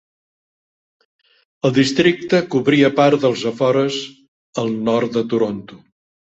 El districte cobria part dels afores al nord de Toronto.